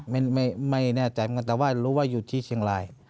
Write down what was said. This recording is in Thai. ไม่แน่ใจแต่ว่ารู้ว่าอยู่ที่เชียงราย